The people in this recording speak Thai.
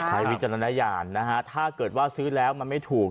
วิจารณญาณนะฮะถ้าเกิดว่าซื้อแล้วมันไม่ถูก